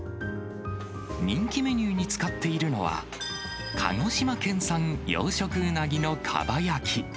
人気メニューに使っているのは、鹿児島県産養殖うなぎのかば焼き。